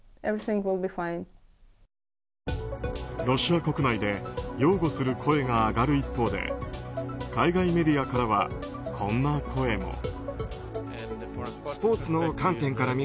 ロシア国内で擁護する声が上がる一方で海外メディアからはこんな声も。